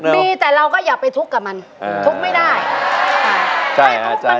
มีแต่เราก็อย่าไปทุกข์กับมันทุกข์ไม่ได้ค่ะใช่ค่ะใช่